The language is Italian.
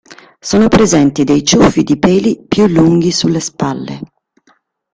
Sono presenti dei ciuffi di peli più lunghi sulle spalle.